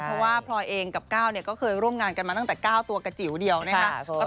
เพราะว่าพลอยเองกับก้าวเนี่ยก็เคยร่วมงานกันมาตั้งแต่๙ตัวกระจิ๋วเดียวนะครับ